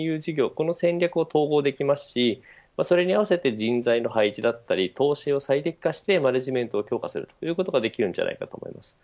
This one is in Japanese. この戦略を統合できますしそれに合わせて人材の配置だったり投資を最適化してマネジメントを強化するということができるんじゃないかと思います。